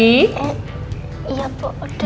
iya bu udah